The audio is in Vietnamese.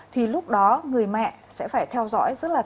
thì lúc đó người mẹ sẽ phải theo dõi rất là tốt